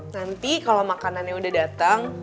nanti kalau makanannya udah datang